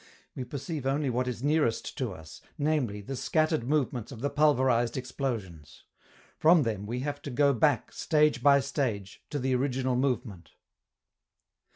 We perceive only what is nearest to us, namely, the scattered movements of the pulverized explosions. From them we have to go back, stage by stage, to the original movement.